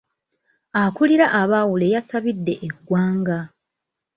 Akulira abaawule yasabidde eggwanga.